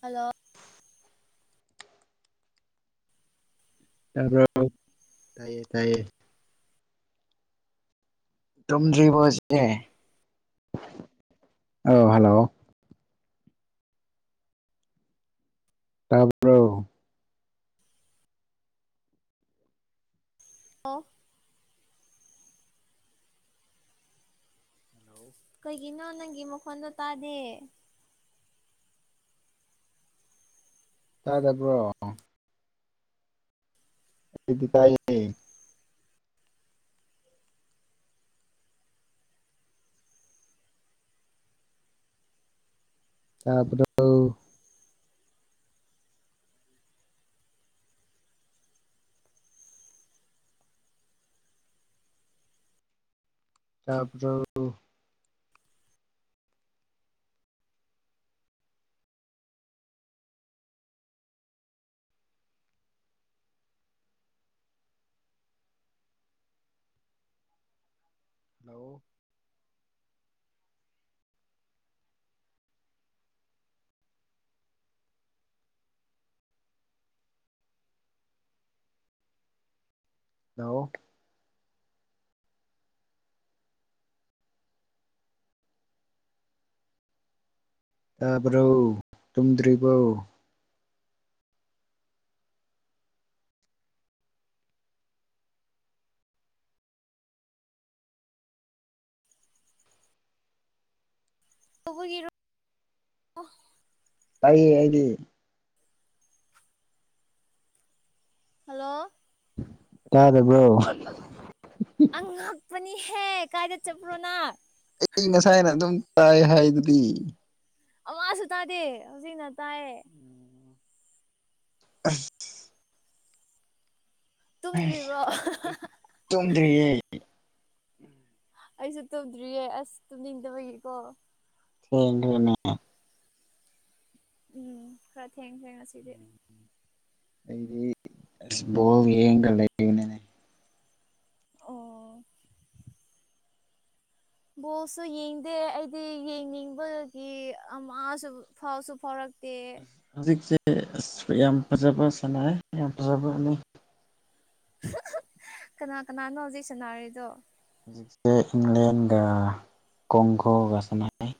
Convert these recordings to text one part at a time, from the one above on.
Hello ꯇꯥꯕꯔꯣ ꯇꯥꯏꯌꯦ ꯇꯥꯏꯌꯦ ꯇꯨꯝꯗ꯭ꯔꯤꯔꯤꯕꯁꯦ ꯑ ꯍꯜꯂꯣ ꯇꯥꯕꯔꯣ ꯑꯣꯐ ꯍꯜꯂꯣ ꯀꯩꯒꯤꯅꯣ ꯅꯪꯒꯤ ꯃꯈꯣꯟꯗꯣ ꯇꯥꯗꯦ ꯇꯥꯗꯕ꯭ꯔꯣ ꯑꯩꯗꯤ ꯇꯥꯏꯌ‌ꯦ ꯇꯥꯕꯔ‌ꯣ ꯇꯥꯕ꯭ꯔ‌ꯣ ꯍꯜꯂꯣ ꯂꯣ ꯇꯥꯕ꯭ꯔ‌ꯣ ꯇꯨꯝꯗ꯭ꯔꯤꯕ‌ꯣ [unintelligible] [inaudible] [unintelligible] [inaudible] ꯇꯥꯏꯌꯦ ꯑꯩꯗꯤ ꯍꯜꯂꯣ ꯇꯥꯗꯕ‍꯭ꯔ‌ꯣ ꯑꯉꯛꯄꯅꯤꯍꯦ ꯀꯥꯏꯗ ꯆꯠꯄ꯭ꯔꯣꯅ ꯑꯩ ꯉꯁꯥꯏꯅ ꯑꯗꯨꯝ ꯇꯥꯏ ꯍꯥꯏꯗꯨꯗꯤ ꯑꯋꯥꯁꯨ ꯇꯥꯗꯦ ꯍꯧꯖꯤꯛꯅ ꯇꯥꯏꯌꯦ ꯑꯁ ꯑꯩꯁ ꯇꯨꯝꯗ꯭ꯔꯤꯕ꯭ꯔꯣ ꯑꯍꯥꯍꯥ ꯇꯨꯝꯗ꯭ꯔꯤꯌꯦ ꯑꯩꯁꯨ ꯇꯨꯝꯗ꯭ꯔꯤꯌꯦ ꯑꯁ ꯇꯨꯝꯅꯤꯡꯗꯕꯒꯤꯀꯣ ꯊꯦꯡꯒ꯭ꯔꯦꯅꯦ ꯎꯝ ꯈꯔ ꯊꯦꯡ ꯈ꯭ꯔꯦ ꯉꯁꯤꯗꯤ ꯑꯩꯗꯤ ꯕꯣꯜ ꯌꯦꯡꯉꯒ ꯂꯩꯌꯦ ꯑꯣ ꯕꯣꯜꯁꯨ ꯌꯦꯡꯗꯦ ꯑꯩꯗꯤ ꯌꯦꯡꯅꯤꯡꯕꯒꯤ ꯑꯃꯁꯨ ꯐꯥꯎꯁꯨ ꯐꯥꯎꯔꯛꯇꯦ ꯍꯧꯖꯤꯛꯁꯦ ꯑꯁ ꯌꯥꯝ ꯐꯖꯕ ꯁꯥꯟꯅꯔ ꯌꯥꯝ ꯐꯖꯕꯅꯤ ꯀꯅꯥ ꯀꯅꯥꯅꯣ ꯍꯧꯖꯤꯛ ꯁꯥꯟꯅꯔꯤꯗꯣ ꯍꯧꯖꯤꯛꯁꯦ ꯏꯪꯂꯦꯟꯒ ꯀꯣꯡꯀꯣꯜꯒ ꯁꯥꯅꯔ‌ꯦ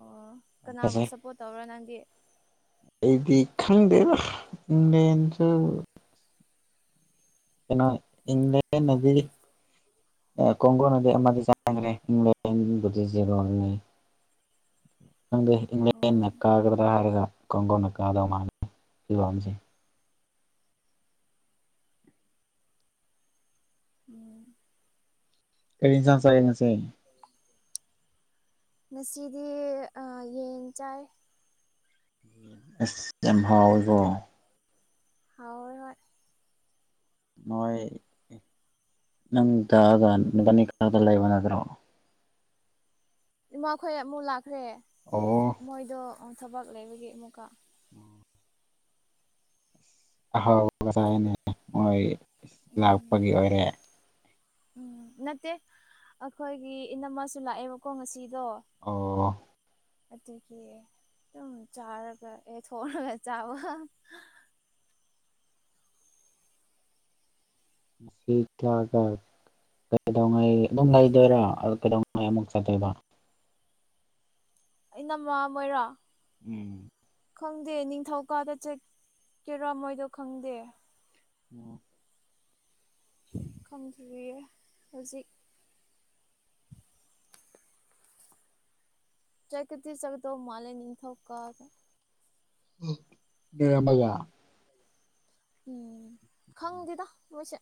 ꯑꯣ ꯀꯅꯥꯕꯨ ꯐꯖꯩ ꯁꯞꯄꯣꯔꯠ ꯇꯧꯔ ꯅꯪꯗꯤ ꯑꯩꯗꯤ ꯈꯪꯗꯦꯗꯥ ꯏꯪꯂ‌ꯦꯟꯁꯨ ꯀꯩꯅꯣ ꯏꯪꯂꯦꯟꯅꯗꯤ ꯀꯣꯡꯒꯣꯟꯅꯗꯤ ꯑꯃꯗꯤ ꯆꯟꯒ꯭ꯔꯦ ꯏꯪꯂꯦꯟ ꯒꯤꯕꯨꯗꯤ ꯖꯦꯔꯣꯗ ꯂꯩ ꯈꯪꯗꯦ ꯏꯪꯂꯦꯟꯅ ꯑꯣ ꯀꯥꯒ꯭ꯔꯗꯥ ꯍꯥꯏꯔꯒ ꯀꯣꯡꯒꯣꯅ ꯀꯥꯗꯣ ꯃꯥꯥꯜꯂꯦ [unintelligible] ꯎꯝ ꯀꯔꯤ ꯏꯟꯖꯥꯡ ꯆꯥꯏꯌꯦ ꯉꯁꯤ ꯉꯁꯤꯗꯤ ꯑ ꯌꯦꯟ ꯆꯥꯏ ꯑꯁ ꯌꯥꯝ ꯍꯥꯎꯋꯦꯀ‌ꯣ ꯍꯥꯎꯋꯦ ꯍꯣꯏ ꯅꯣꯏ ꯅꯪꯗꯒ ꯅꯕꯅꯤ ꯈꯔꯗ ꯂꯩꯕ ꯅꯠꯇ꯭ꯔꯣ ꯏꯃꯥꯈꯣꯏ ꯑꯃꯨꯛ ꯂꯥꯛꯈ꯭ꯔꯦ ꯑꯣ ꯃꯣꯏꯗꯣ ꯊꯕꯛ ꯂꯩꯕꯒꯤ ꯑꯃꯨꯛꯀ [unintelligible] [inaudible] ꯑꯍꯥꯎꯕꯒ ꯆꯥꯏꯅꯦ ꯃꯣꯏ ꯎꯝ ꯂꯥꯛꯄꯒꯤ ꯑꯣꯏꯔꯦ ꯎꯝ ꯅꯠꯇꯦ ꯑꯩꯈꯣꯏꯒꯤ ꯏꯅꯝꯃꯁꯨ ꯂꯥꯛꯑꯦꯕ ꯀꯣ ꯉꯁꯤꯗꯣ ꯑꯣ ꯑꯗꯨꯒꯤ ꯑꯗꯨꯝ ꯆꯥꯔꯒ ꯑꯦ [inaudible] ꯆꯥꯕ ꯁꯤ ꯊꯥꯀ [unintelligible] ꯀꯩꯗꯧꯉꯩ ꯑꯗꯨꯝ ꯂꯩꯗꯣꯏꯔꯣ ꯀꯩꯗꯧꯉꯩ ꯑꯃꯨꯛ ꯆꯠꯇꯣꯏꯕ ꯏꯅꯝꯃ ꯍꯣꯏꯔꯣ ꯎꯝ ꯈꯪꯗꯦ ꯅꯤꯡꯊꯧꯀꯥꯗ ꯆꯠꯀꯦꯔꯥ ꯃꯣꯏꯗꯣ ꯈꯪꯗꯦ ꯑꯣ ꯈꯪꯗ꯭ꯔꯤꯌꯦ ꯍꯧꯖꯤꯛ ꯆꯠꯄꯗꯤ ꯆꯠꯀꯗꯧ ꯃꯥꯜꯂꯦ ꯅꯤꯡꯊꯧ ꯀꯥꯕꯗ [inaudible] ꯎꯝ ꯈꯪꯗꯦꯗ ꯃꯣꯏꯁꯦ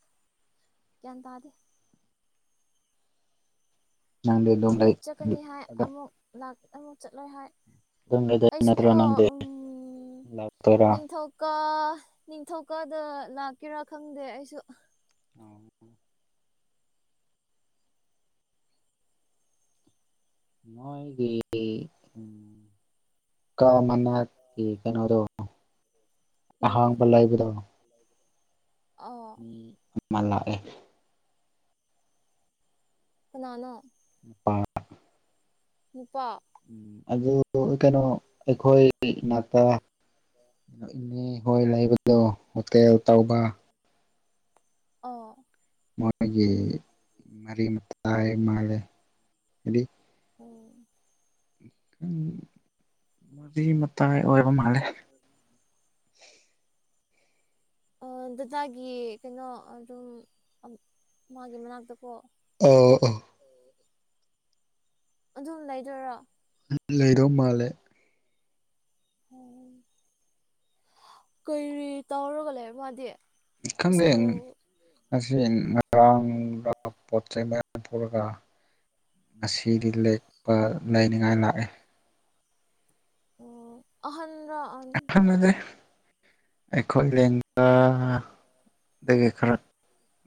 ꯒ꯭ꯌꯥꯟ ꯇꯥꯗꯦ ꯅꯪꯗꯤ ꯑꯗꯨꯝ ꯂꯩ ꯑꯃꯨꯛ ꯆꯠꯀꯅꯤ ꯍꯥꯏ ꯑꯗꯨꯝ ꯑꯃꯨꯛ ꯂꯥꯛ ꯑꯃꯨꯛ ꯆꯠꯂꯣꯏ ꯍꯥꯏ ꯑꯗꯨꯝ ꯂꯩꯗꯣꯏ ꯅꯠꯇ꯭ꯔꯣ ꯑꯩꯁꯨꯀꯣ ꯅꯪꯗꯤ ꯎꯝ ꯂꯥꯛꯇꯣꯏꯔꯥ ꯅꯤꯡꯊꯧ ꯀꯥ ꯅꯤꯡꯊꯧꯀꯥꯗ ꯂꯥꯛꯀꯦꯔꯥ ꯈꯪꯗꯦ ꯑꯩꯁꯨ [unintelligible] ꯀꯥ ꯃꯅꯥꯒꯤ ꯀꯩꯅꯣꯗꯣ ꯑꯍꯥꯡꯕ ꯂꯩꯕꯗꯣ ꯎꯝ ꯑꯣ ꯃꯤ ꯑꯃ ꯂꯥꯛꯑꯦ ꯀꯅꯥꯅꯣ ꯅꯨꯄꯥ ꯅꯨꯄꯥ ꯑꯗꯨꯗꯨ ꯀꯩꯅꯣ ꯑꯩꯈꯣꯏ ꯏꯅꯥꯛꯇ ꯏꯅꯦ ꯍꯣꯏ ꯂꯩꯕꯗꯣ ꯍꯣꯇꯦꯜ ꯇꯧꯕ ꯑꯣ ꯃꯣꯏꯒꯤ ꯃꯔꯤ ꯃꯇꯥꯏ ꯃꯥꯜꯂꯦ [inaudible] ꯎꯝ ꯎꯝ ꯃꯔꯤ ꯃꯇꯥꯏ ꯑꯣꯏꯕ ꯃꯥꯜꯂꯦ ꯑꯥ ꯗꯗꯥꯒꯤ ꯀꯩꯅꯣ ꯑꯗꯨꯝ ꯑꯝ ꯃꯥꯒꯤ ꯃꯅꯥꯛꯇꯀꯣ ꯑꯥ ꯑꯥ ꯑꯗꯨꯝ ꯂꯩꯗꯣꯏꯔꯣ ꯎꯝ ꯂꯩꯗꯧ ꯃꯥꯜꯂꯦ ꯎꯝ ꯀꯔꯤ ꯇꯧꯔꯒ ꯂꯩꯕ ꯃꯥꯗꯤ ꯈꯪꯗꯦ ꯁ꯭ꯀꯨꯜ ꯉꯁꯤ ꯉꯔꯥꯡꯔꯥ ꯄꯣꯠ ꯆꯩꯩ ꯃꯌꯥꯝ ꯄꯨꯔꯒ ꯉꯁꯤꯗꯤ ꯂꯦꯛꯄ ꯂꯩꯅꯤꯡꯉꯥꯏ ꯂꯥꯛꯑꯦ ꯑꯣ ꯑꯍꯟꯔꯥ ꯑꯉꯥꯡ ꯑꯍꯟ ꯑꯣꯏꯗꯦ ꯑꯩꯈꯣꯏ ꯂꯦꯡꯒꯥ ꯑꯩꯗꯒꯤ ꯈꯔ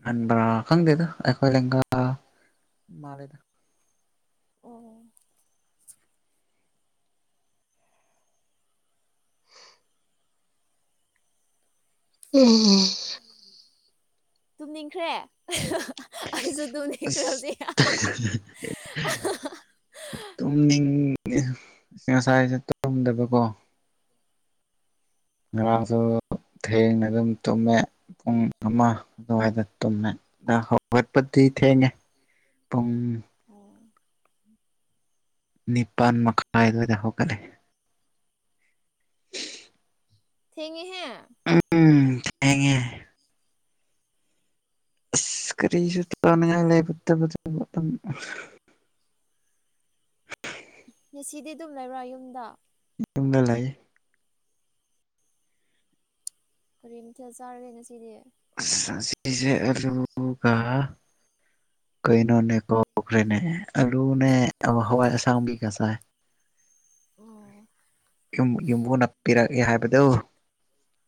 ꯍꯟꯕ꯭ꯔꯥ ꯈꯪꯗꯦꯗ ꯑꯩꯈꯣꯏ ꯂꯦꯡꯒꯥ ꯃꯥꯜꯂꯦꯗ ꯑꯣ [unintelligible] ꯇꯨꯝꯅꯤꯡꯈ꯭ꯔꯦ ꯑꯩꯁꯨ ꯇꯨꯝꯅꯤꯡ ꯑꯁ ꯇꯨꯝꯅꯤꯡꯉꯦ ꯉꯁꯥꯏꯁꯨ ꯇꯨꯝꯗꯕꯀꯣ ꯉꯔꯥꯡꯁꯨ ꯑꯣ ꯊꯦꯡꯅ ꯑꯗꯨꯝ ꯇꯨꯝꯃꯦ ꯄꯨꯡ ꯑꯃꯥ ꯑꯗꯨꯋꯥꯏꯗ ꯇꯨꯝꯃꯦ ꯉꯥꯡ ꯍꯧꯒꯠꯄꯗꯤ ꯊꯦꯡꯉꯦ꯫ ꯄꯨꯡ ꯑꯣ ꯅꯤꯄꯥꯟ ꯃꯈꯥꯏ ꯑꯗꯨꯋꯥꯏꯗ ꯍꯧꯒꯠꯂꯦ꯫ ꯊꯦꯡꯉꯦꯍꯦ ꯎꯝ ꯊꯦꯡꯉꯦ ꯑꯁ ꯀꯔꯤꯁꯨ ꯇꯥꯅꯤꯡꯉꯥꯏ ꯂꯩꯔꯛꯇꯕꯗ ꯃꯇꯝ꯫ ꯉꯁꯤꯗꯤ ꯑꯗꯨꯝ ꯂꯩꯕ꯭ꯔꯥ ꯌꯨꯝꯗ ꯌꯨꯝꯗ ꯂꯩ ꯀꯔꯤ ꯃꯊꯦꯜ ꯆꯥꯔꯒꯦ ꯉꯁꯤꯗꯤ ꯑꯁ ꯑꯁꯤꯖꯦ ꯑꯂꯨꯒ ꯀꯩꯅꯣꯅꯦ ꯀꯥꯎꯈ꯭ꯔꯦꯅꯦ ꯑꯂꯨꯅꯦ ꯍꯋꯥꯏ ꯑꯁꯥꯡꯕꯤꯒ ꯆꯥꯏ꯫ ꯑꯣ ꯌꯨꯝ ꯌꯨꯝꯕꯨꯅ ꯄꯤꯔꯛꯑꯦ ꯍꯥꯏꯕꯗꯣ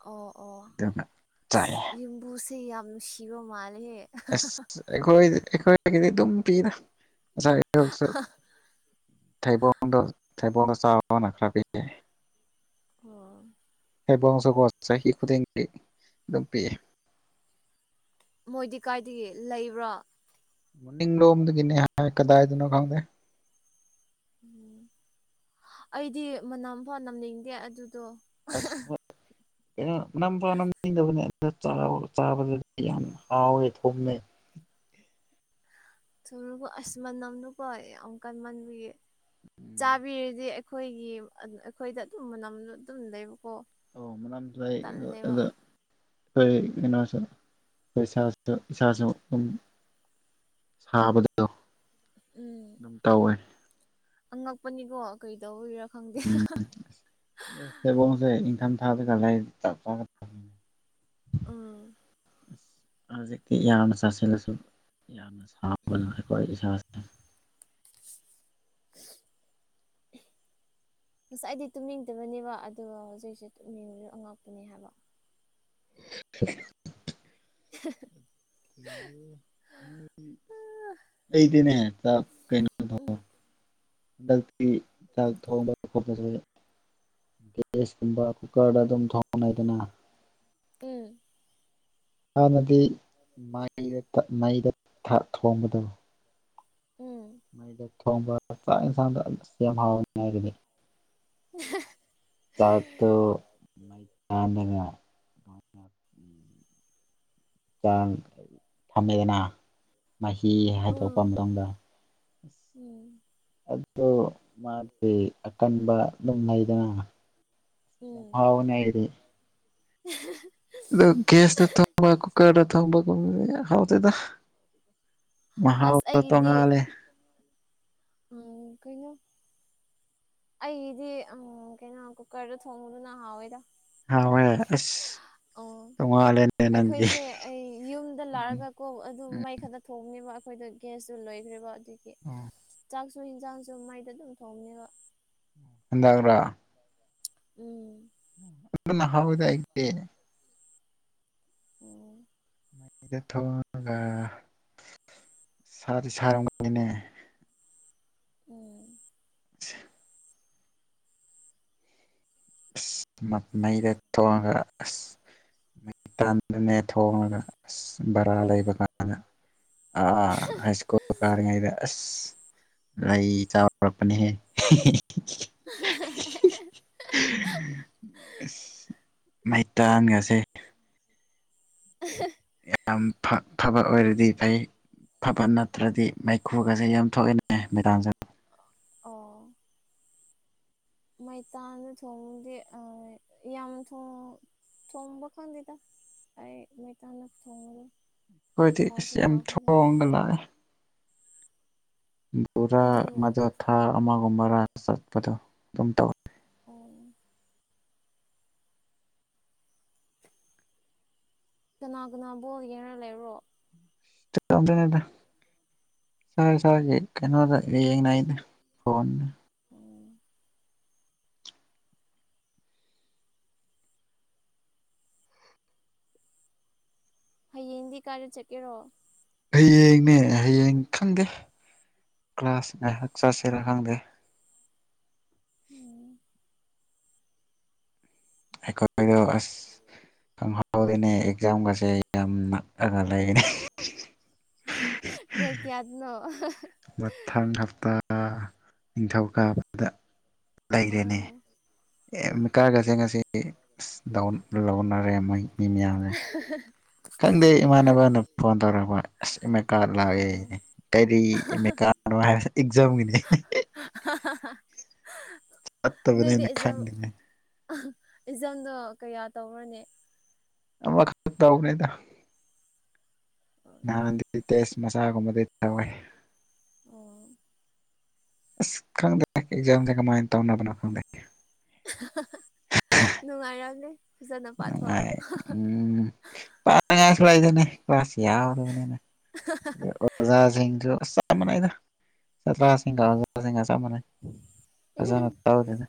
ꯑꯣ ꯑꯣ ꯆꯥꯏꯌꯦ ꯌꯨꯝꯕꯨꯁꯦ ꯌꯥꯝ ꯅꯨꯡꯁꯤꯕ ꯃꯥꯜꯂꯦꯍꯦ꯫ ꯑꯁ ꯑꯩꯈꯣꯏ ꯑꯩꯈꯣꯏꯒꯤꯗꯤ ꯑꯗꯨꯝ ꯄꯤꯗ꯫ ꯉꯁꯥꯏ ꯑꯌꯨꯛꯁꯨ ꯊꯩꯕꯣꯡꯗꯣ ꯊꯩꯕꯣꯡ ꯆꯥꯎꯑꯣꯅ ꯈ꯭ꯔꯄꯤꯌꯦ꯫ ꯑꯣ ꯍꯩꯕꯣꯡꯁꯨꯀꯣ ꯆꯍꯤ ꯈꯨꯗꯤꯡꯒꯤ ꯑꯗꯨꯝ ꯄꯤꯑꯦ꯫ ꯃꯣꯏꯗꯤ ꯀꯥꯏꯗꯒꯤ ꯂꯩꯕ꯭ꯔꯥ ꯃꯅꯤꯡꯂꯣꯝꯗꯒꯤꯅꯦ ꯍꯥꯏ ꯀꯗꯥꯏꯗꯅꯣ ꯈꯪꯗꯦ꯫ ꯎꯝ ꯑꯩꯗꯤ ꯃꯅꯝ ꯐꯥꯎ ꯅꯝꯅꯤꯡꯗꯦ ꯑꯗꯨꯗꯣ꯫ ꯑꯁ ꯎꯝ ꯀꯅꯣ ꯃꯅꯝꯐꯥꯎ ꯅꯝꯅꯤꯡꯗꯕꯅꯦ꯫ ꯑꯆꯥꯕ ꯆꯥꯕꯗꯗꯤ ꯌꯥꯝ ꯍꯥꯎꯋꯦ ꯊꯨꯝꯃꯦ꯫ ꯊꯨꯔꯨꯕ ꯑꯁ ꯃꯅꯝꯗꯨꯀꯣ ꯌꯥꯝ ꯀꯟꯃꯟꯕꯒꯤ꯫ ꯎꯝ ꯆꯥꯕꯤꯔꯤꯗꯤ ꯑꯩꯈꯣꯏꯒꯤ ꯑꯩꯈꯣꯏꯗ ꯑꯗꯨꯝ ꯃꯅꯝꯗꯣ ꯑꯗꯨꯝ ꯂꯩꯕꯀꯣ꯫ ꯑꯣ ꯃꯅꯝ ꯂꯩ ꯑ ꯇꯜꯂꯦꯕ ꯑꯗ ꯑꯩꯈꯣꯏ ꯀꯩꯅꯣꯁꯨ ꯑꯩꯈꯣꯏ ꯏꯁꯥꯁꯨ ꯏꯁꯥꯁꯨ ꯑꯗꯨꯝ ꯍꯥꯕꯗꯣ ꯎꯝ ꯑꯉꯛꯄꯅꯤꯀꯣ ꯀꯔꯤ ꯇꯧꯕꯒꯤꯔꯥ ꯈꯪꯗꯦ ꯑꯦ ꯊꯩꯕꯣꯡꯁꯦ ꯏꯪꯊꯝ ꯊꯥꯗꯒ ꯂꯩ ꯆꯞ ꯆꯥꯒꯗꯝꯅꯦ ꯑꯥ ꯍꯧꯖꯤꯛꯇꯤ ꯌꯥꯝꯅ ꯆꯥꯁꯤꯂꯁꯨ ꯌꯥꯝꯅ ꯁꯥꯕꯅ ꯑꯩꯈꯣꯏ ꯏꯁꯥꯁꯦ [unintelligible] ꯉꯁꯥꯏꯗꯤ ꯇꯨꯝꯅꯤꯡꯗꯕꯅꯦꯕ ꯑꯗꯨꯒ ꯍꯧꯖꯤꯛꯁꯦ ꯇꯨꯝꯅꯤꯡꯉꯦ ꯑꯉꯥꯛꯄꯅꯦ ꯍꯥꯏꯕ [unintelligible] [unintelligible] [unintelligible] ꯑꯩꯗꯤꯅꯦ ꯇ ꯀꯩꯅꯣꯗꯣ ꯎꯝ ꯍꯟꯗꯛꯇꯤ ꯆꯥꯛ ꯊꯣꯡꯕ ꯈꯣꯠꯄꯁꯦ ꯒꯦꯁ ꯀꯨꯝꯕ ꯀꯨꯀꯔꯗ ꯑꯗꯨꯝ ꯊꯣꯡꯉꯦꯗꯅ ꯎꯝ ꯍꯥꯟꯅꯗꯤ ꯃꯥꯏ ꯗ ꯃꯩꯗ ꯊꯥ ꯊꯣꯡꯕꯗꯣ ꯎꯝ ꯃꯩꯗ ꯊꯣꯡꯕ ꯆꯥꯛ ꯑꯦꯟꯁꯥꯡꯗꯣ ꯌꯥꯝ ꯍꯥꯎꯕꯅꯦ ꯑꯥꯏꯒꯤꯗꯤ [unintelligible] ꯆꯥꯛꯇꯣ ꯃꯩꯇꯥꯟꯅꯒ ꯇꯥꯡ ꯊꯝꯃꯦꯗꯅ ꯃꯍꯤ ꯎꯝ ꯍꯥꯏꯗꯣꯛꯄ ꯃꯇꯨꯡꯗ ꯎꯝ ꯑꯗꯨ ꯃꯥꯗꯤ ꯑꯀꯟꯕ ꯑꯗꯨꯝ ꯂꯩꯗꯅ ꯌꯥꯝ ꯎꯝ ꯍꯥꯎꯕꯅꯦ ꯑꯩꯗꯤ [unintelligible] ꯑꯗꯨ ꯒꯦꯁꯗ ꯊꯣꯡꯕ ꯀꯨꯀꯔꯗ ꯊꯣꯡꯕꯒꯨꯝꯕꯗꯣ ꯌꯥꯝ ꯍꯥꯎꯇꯦꯗ ꯑꯁ ꯃꯍꯥꯎꯗꯣ ꯇꯣꯉꯥꯂꯦ ꯑꯣ ꯀꯩꯅꯣ ꯑꯩꯒꯤꯗꯤ ꯎꯝ ꯀꯩꯅꯣ ꯀꯨꯀꯔꯗ ꯊꯣꯡꯕꯗꯨꯅ ꯍꯥꯎꯋꯦꯗ ꯍꯥꯎꯋꯦ ꯑꯁ ꯑꯣ ꯇꯣꯡꯉꯥꯜꯂꯦꯅꯦ ꯅꯪꯒꯤ ꯑꯩꯈꯣꯏꯁꯦ ꯑꯩ ꯌꯨꯝꯗ ꯎꯝ ꯂꯥꯛꯑꯒ ꯀꯣ ꯑꯗꯨ ꯃꯩ ꯈꯔꯛꯇ ꯊꯣꯡꯅꯦꯕ ꯑꯩꯈꯣꯏꯗꯣ ꯒ꯭ꯌꯥꯁꯇꯨ ꯂꯣꯏꯈ꯭ꯔꯦꯕ ꯑꯗꯨꯒꯤ ꯎꯝ ꯆꯥꯛꯁꯨ ꯏꯟꯁꯥꯡꯁꯨ ꯃꯩꯗ ꯑꯗꯨꯝ ꯊꯣꯡꯉꯦꯕ ꯍꯟꯗꯛꯔꯥ ꯎꯝ ꯑꯗꯨꯅ ꯍꯥꯎꯋꯦꯗ ꯑꯩꯒꯤꯗꯤ ꯑꯣ ꯃꯩꯗ ꯊꯣꯡꯉꯒ ꯁꯥꯗꯤ ꯁꯥꯔꯝꯒꯅꯤꯅꯦ ꯎꯝ [unintelligible] ꯑꯁ ꯃꯩ ꯃꯩꯗ ꯊꯣꯡꯉꯒ ꯑꯁ ꯃꯩꯇꯟꯗꯅꯦ ꯊꯣꯡꯉꯒ ꯑꯁ ꯕꯔꯥ ꯂꯩꯕ ꯀꯥꯟꯗ ꯑ ꯑꯩ ꯁꯀꯨꯜ ꯀꯥꯔꯤꯉꯩꯗ ꯑꯁ ꯑꯩ ꯆꯥꯎꯔꯛꯄꯅꯦꯍꯦ [unintelligible] ꯑꯁ ꯃꯩꯇꯥꯟꯒꯁꯦ [unintelligible] ꯌꯥꯝ ꯐ ꯐꯕ ꯑꯣꯏꯔꯗꯤ ꯐꯩ ꯐꯕ ꯅꯠꯇ꯭ꯔꯗꯤ ꯃꯩꯈꯨꯒꯁꯦ ꯌꯥꯝ ꯊꯣꯛꯣꯑꯦꯅꯦ ꯃꯤꯇꯥꯟꯁꯨ ꯑꯣ ꯃꯩꯇꯥꯟꯗ ꯊꯣꯡꯉꯗꯤ ꯑ ꯌꯥꯝ ꯊꯣꯡ ꯊꯣꯡꯕ ꯈꯪꯗꯦꯗ ꯑꯩ ꯃꯩꯇꯥꯟꯅ ꯊꯣꯡꯉꯔꯣꯏ ꯑꯩꯈꯣꯏꯗꯤ ꯏꯁ ꯌꯥꯝ ꯊꯣꯡꯉꯒ ꯂꯥꯛꯑꯦ ꯕꯣꯔꯥ ꯑꯗꯨ ꯑꯃꯗꯨ ꯊꯥ ꯑꯃꯒꯨꯝꯕꯔꯥ ꯆꯠꯄꯗꯣ ꯑꯗꯨꯝ ꯇꯧꯋꯦ ꯀꯅꯥ ꯀꯅꯥ ꯕꯣꯜ ꯌꯦꯡꯉ ꯂꯩꯕ꯭ꯔꯣ [unintelligible] ꯐꯣꯟ ꯑꯣ ꯍꯌꯦꯡꯗꯤ ꯀꯥꯏꯗ ꯆꯠꯀꯦꯔꯣ ꯍꯌꯦꯡꯅꯦ ꯍꯌꯦꯡ ꯈꯪꯗꯦ ꯀ꯭ꯂꯥꯁ ꯉꯥꯏꯍꯥꯛ ꯆꯠꯁꯤꯔꯥ ꯈꯪꯗꯦ ꯎꯝ ꯑꯩꯈꯣꯏꯗꯣ ꯑꯁ ꯗꯪꯍꯧ ꯍꯧꯗꯦꯅꯦ ꯑꯦꯛꯖꯥꯝꯒꯁꯦ ꯌꯥꯝ ꯅꯛꯑꯒ ꯂꯩꯔꯦꯅꯦ ꯗꯦꯠ ꯀꯌꯥꯗꯅꯣ ꯃꯊꯪ ꯍꯞꯇꯥ ꯅꯤꯡꯊꯧꯀꯥꯕꯗ ꯑꯣ ꯂꯩꯒ꯭ꯔꯦꯅꯦ ꯑꯦ ꯑꯦꯃꯤꯀꯥꯔꯗꯒꯁꯦ ꯉꯁꯤꯗꯤ ꯑꯁ ꯗꯥꯎꯟ ꯂꯧꯅꯔꯦ ꯃꯣꯏ ꯃꯤ ꯃꯌꯥꯝ [unintelligible] ꯈꯪꯗꯦ ꯏꯃꯥꯟꯅꯕꯅ ꯐꯣꯟ ꯇꯧꯔꯛꯄ ꯑꯁ ꯑꯦꯃꯤꯀꯥꯔꯗ ꯂꯥꯛꯑꯦ ꯑꯥ ꯀꯥꯏꯔꯤ ꯑꯦꯃꯤꯀꯥꯔꯗꯅꯣ ꯍꯥꯏꯕꯁꯦ ꯑꯦꯛꯖꯥꯝꯒꯤꯅꯦ [unintelligible] ꯅꯣꯏꯗꯤ ꯆꯠꯇꯕꯅꯤꯅꯥ ꯑꯦꯛꯖꯥꯝ ꯈꯪꯗꯦꯅꯦ ꯑꯦꯛꯖꯥꯝꯗꯣ ꯀꯌꯥ ꯇꯧꯔꯅꯤ ꯑꯃꯥꯈꯛꯇ ꯇꯧꯕꯅꯤꯗꯥ ꯅꯍꯥꯟꯗꯤ ꯑꯣ ꯇꯦꯁ ꯃꯆꯥꯒꯨꯝꯕꯗꯤ ꯇꯧꯋꯦ ꯑꯣ ꯑꯁ ꯈꯪꯗꯦ ꯑꯦꯛꯖꯥꯝꯖꯦ ꯀꯃꯥꯏꯟ ꯇꯧꯅꯕꯅꯣ ꯈꯪꯗꯦ ꯅꯨꯡꯉꯥꯏꯔꯝꯅꯤ ꯐꯖꯅ ꯄꯥꯊꯣꯛꯑꯣ ꯄꯥꯅꯉꯥꯏꯁꯨ ꯂꯩꯇꯦꯅꯦ ꯀ꯭ꯂꯥꯁ ꯌꯥꯝꯃꯕꯅꯤꯅ [unintelligible] ꯑꯣꯖꯥꯁꯤꯡꯁꯨ ꯑꯁ ꯆꯞ ꯃꯥꯅꯩꯗ ꯌꯥꯇ꯭ꯂꯥꯁ ꯑꯩꯉꯥꯡꯖꯤꯡꯉ ꯆꯞ ꯃꯥꯟꯅꯩ ꯑꯣꯖꯥꯅ ꯇꯥꯜꯗꯦꯗ